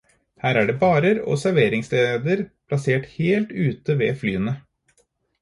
Her er det barer og serveringssteder plassert helt ute ved flyene.